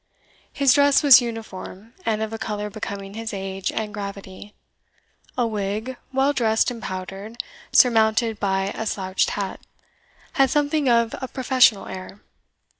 His dress was uniform, and of a colour becoming his age and gravity; a wig, well dressed and powdered, surmounted by a slouched hat, had something of a professional air.